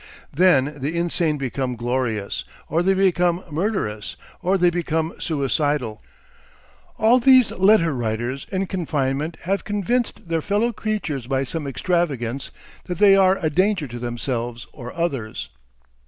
Then the insane become "glorious," or they become murderous, or they become suicidal. All these letter writers in confinement have convinced their fellow creatures by some extravagance that they are a danger to themselves or others.